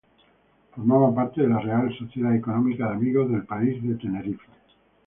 Formaba parte de la Real Sociedad Económica de Amigos del País de Tenerife.